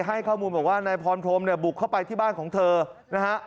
ให้ข้อมูลบอกว่านายพรพรมเนี่ยบุกเข้าไปที่บ้านของเธอนะฮะ